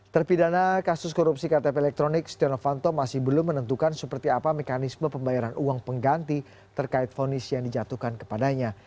terpidana kasus korupsi ktp elektronik setia novanto masih belum menentukan seperti apa mekanisme pembayaran uang pengganti terkait fonis yang dijatuhkan kepadanya